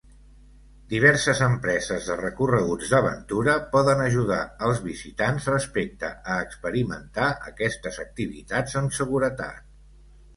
Diverses empreses de recorreguts d'aventura poden ajudar els visitants respecte a experimentar aquestes activitats amb seguretat.